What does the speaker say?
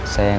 gak ada lagi